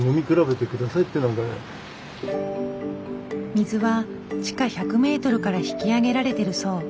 水は地下１００メートルから引き上げられてるそう。